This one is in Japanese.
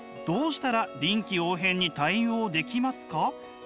どうしたら臨機応変に対応できますか？」。